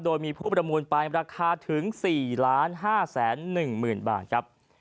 โดยมีผู้ประมูลปลายราคาถึง๔๕ล้านบาทครับ